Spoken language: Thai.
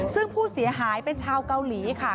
ซึ่งผู้เสียหายเป็นชาวเกาหลีค่ะ